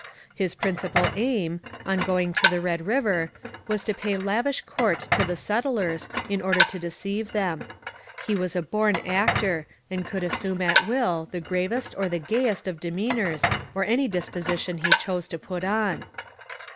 His principal aim, on going to the Red River, was to pay lavish court to the settlers in order to deceive them. He was a born actor, and could assume at will the gravest or the gayest of demeanours or any disposition he chose to put on.